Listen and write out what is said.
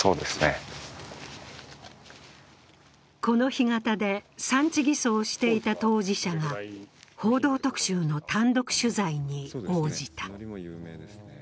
この干潟で産地偽装していた当事者が「報道特集」の単独取材に応じた。